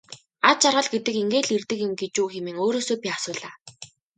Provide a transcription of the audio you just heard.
Аз жаргал гэдэг ингээд л ирдэг юм гэж үү хэмээн өөрөөсөө би асуулаа.